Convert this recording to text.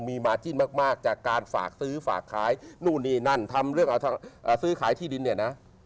มีมาจิ้นมากจากการฝากซื้อฝากขายนู่นนี่นั่นทำเรื่องซื้อขายที่ดินเนี่ยนะ